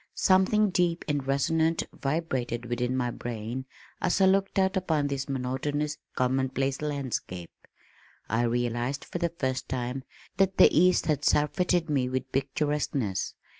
Something deep and resonant vibrated within my brain as I looked out upon this monotonous commonplace landscape. I realized for the first time that the east had surfeited me with picturesqueness.